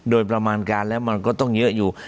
โดยประมาณการแล้วมันก็ต้องเยอะอยู่